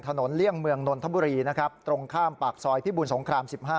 เลี่ยงเมืองนนทบุรีนะครับตรงข้ามปากซอยพิบูรสงคราม๑๕